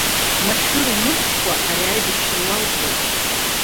Машәыр умыхькәа ари аибашьра уалҵуеит.